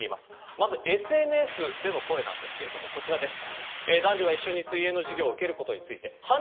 まずＳＮＳでの声ですがこちらです。